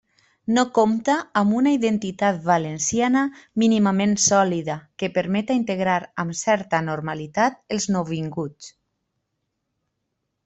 No compta amb una identitat valenciana mínimament sòlida que permeta integrar amb certa normalitat els nouvinguts.